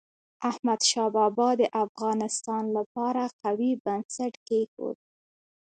احمد شاه بابا د افغانستان لپاره قوي بنسټ کېښود.